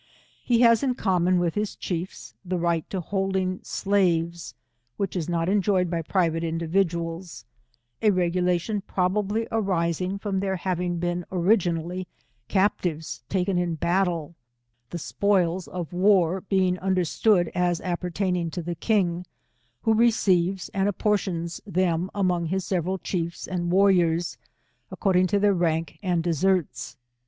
He has ia | common with his ctiiefs. the right of holding slaves, which is not enjoyed by private individuals, a regu lation probably arising from their having been origi* Dally captives taken in battle, the spoils of war being understood as appertaining to the king, ' who receives and apportions them among his several^ chiefs and warriors, according to their rank and d« lerts.